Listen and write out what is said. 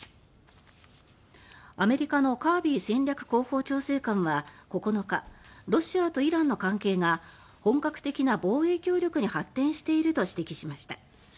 アメリカのカービー戦略広報調整官は９日ロシアとイランの関係が本格的な防衛協力に発展していると指摘しました。